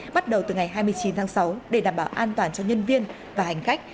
bắt đầu từ ngày hai mươi chín tháng sáu để đảm bảo an toàn cho nhân viên và hành khách